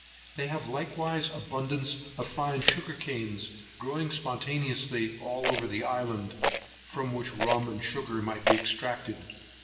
They have likewise abundance of fine sugarcanes, growing spontaneously all over the island, from which rum and sugar might be extracted.